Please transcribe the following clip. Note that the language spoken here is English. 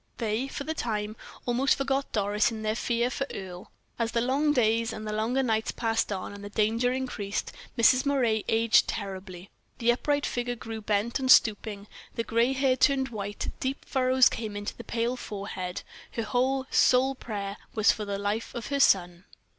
They, for the time, almost forgot Doris in their fear for Earle. As the long days and longer nights passed on, and the danger increased, Mrs. Moray aged terribly the upright figure grew bent and stooping; the gray hair turned white; deep furrows came in the pale forehead her whole, sole prayer was for the life of her son.